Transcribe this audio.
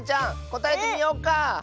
こたえてみようか！